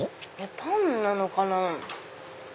パンなのかな？